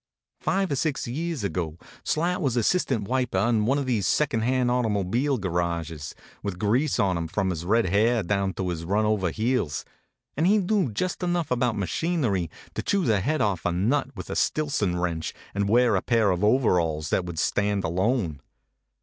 Five or six years ago, Slat was assistant wiper in one of these second hand auto mobile garages, with grease on him from his red hair down to his run over heels, and he knew just enough about machinery to HONK, HONK! chew the head off a nut with a Stillson wrench and wear a pair of overalls that would stand alone.